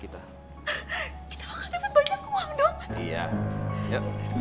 kita bakal dapat banyak uang dong